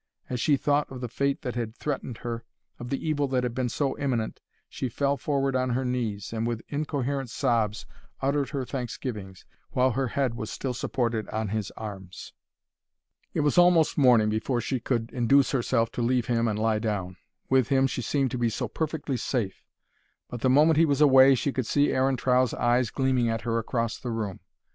As she thought of the fate that had threatened her, of the evil that had been so imminent, she fell forward on her knees, and with incoherent sobs uttered her thanksgivings, while her head was still supported on his arms. It was almost morning before she could induce herself to leave him and lie down. With him she seemed to be so perfectly safe; but the moment he was away she could see Aaron Trow's eyes gleaming at her across the room.